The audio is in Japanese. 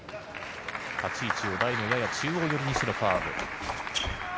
立ち位置を台のやや中央寄りにしてのサーブ。